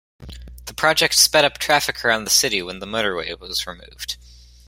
The project sped up traffic around the city when the motorway was removed.